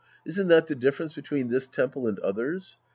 Isn't that the difference between this temple and others.